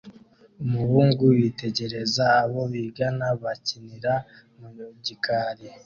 Umuhungu yitegereza abo bigana bakinira mu gikari